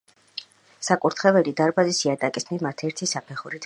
საკურთხეველი დარბაზის იატაკის მიმართ ერთი საფეხურით მაღალია.